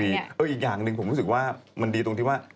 อีกอย่างหนึ่งผมรู้สึกว่ามันดีตรงที่ว่า